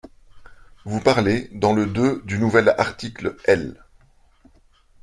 Vous parlez, dans le deux du nouvel article L.